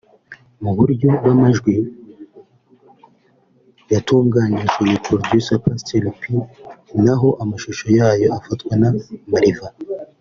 Mu buryo bw’amajwi yatunganyijwe na Producer Pastor P naho amashusho yayo afatwa na Mariva